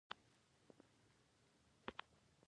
زموږ عملونه د ریا څخه ډک دي.